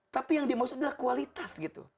tapi yang dimaksud adalah kualitas gitu